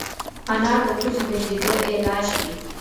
انار د پوزې بندېدو علاج دی.